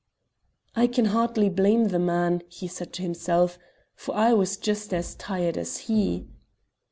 "I can hardly blame the man," said he to himself, "for I was just as tired as he."